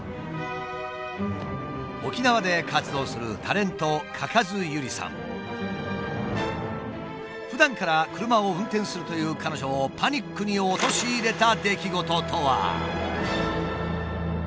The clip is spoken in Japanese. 沖縄で活動するふだんから車を運転するという彼女をパニックに陥れた出来事とは。